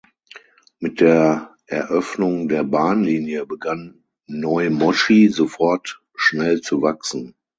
Mit der Eröffnung der Bahnlinie begann Neu Moschi sofort schnell zu wachsen.